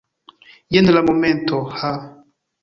Jen la momento! Haa!